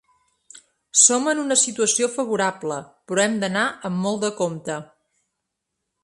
Som en una situació favorable però hem d’anar amb molt de compte.